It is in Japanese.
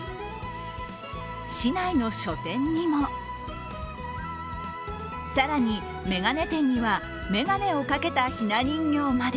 市内の書店にも更に、眼鏡店には眼鏡をかけたひな人形まで。